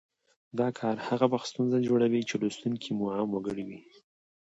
دا کار هغه وخت ستونزه جوړوي چې لوستونکي مو عام وګړي وي